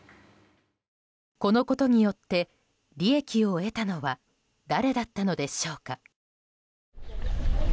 このことによって利益を得たのは誰だったのでしょうか。